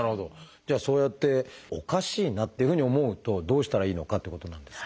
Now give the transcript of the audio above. じゃあそうやっておかしいなっていうふうに思うとどうしたらいいのかってことなんですが。